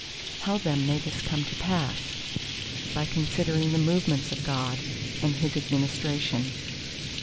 "How then may this come to pass?" By considering the movements of God, and His administration.